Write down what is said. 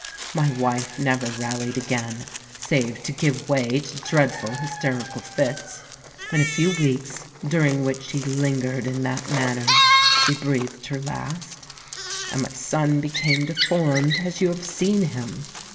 My wife never rallied again, save to give way to dreadful hysterical fits: in a few weeks, during which she lingered in that manner, she breathed her last;—and my son became deformed, as you have seen him!"